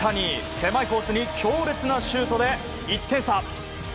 狭いコースに強烈なシュートで１点差。